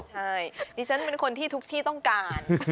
ใช่ดิฉันเป็นคนที่ทุกที่ต้องการ